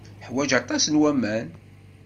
Teḥwaj aṭas n waman.